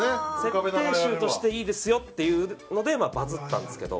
設定集としていいですよっていうのでバズったんですけど。